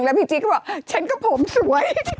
แล้วพี่จริงก็บอกฉันก็ผมสวย